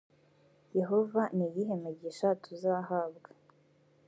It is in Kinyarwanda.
yehova ni iyihe migisha tuzahabwa